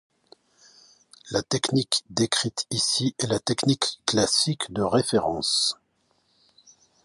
La technique décrite ici est la technique classique de référence.